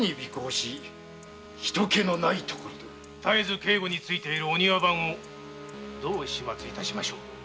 警護についているお庭番をどう始末致しましょうか？